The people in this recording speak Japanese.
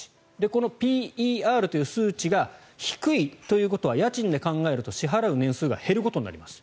これをＰＥＲという数値が低いということは家賃で考えると支払う年数が減ることになります。